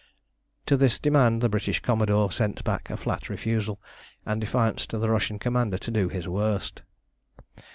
To this demand the British Commodore sent back a flat refusal, and defiance to the Russian Commander to do his worst.